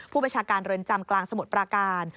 ผู้บัญชาการเรือนจำกลางสมุทรปราการ